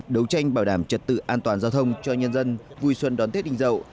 đấu tranh bảo đảm trật tự an toàn giao thông cho nhân dân vui xuân đón tết đình dậu